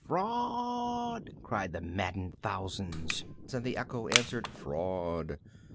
"Fraud!" cried the maddened thousands, and the echo answered, "Fraud!"